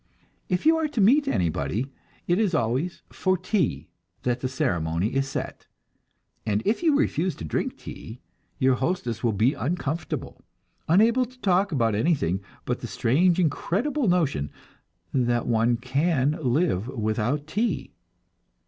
If you are to meet anybody, it is always for "tea" that the ceremony is set, and if you refuse to drink tea, your hostess will be uncomfortable, unable to talk about anything but the strange, incredible notion that one can live without tea.